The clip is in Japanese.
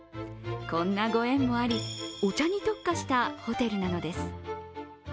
こんなご縁もあり、お茶に特化したホテルなんです。